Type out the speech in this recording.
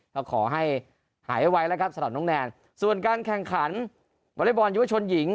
ก็ขอให้หายไวแล้วครับสำหรับน้องแนนส่วนการแข่งขันวอเล็กบอลยุวชนหญิง